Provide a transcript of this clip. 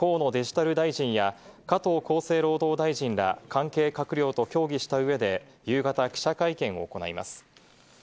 岸田総理はきょう午後、河野デジタル大臣や加藤厚生労働大臣ら、関係閣僚と協議した上で、夕方、記者会見を行います。